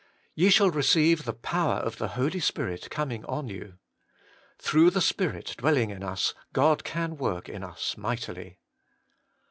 3. ' Ye shall receive the power of the Holy Spirit coming on you.' Through the Spirit dwell ing in us God can work in us mightily.